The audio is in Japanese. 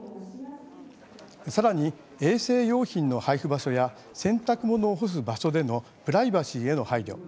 さらに、衛生用品の配布場所や洗濯物を干す場所でのプライバシーへの配慮